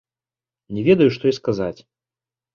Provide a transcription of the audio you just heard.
Не ведаю, што і сказаць.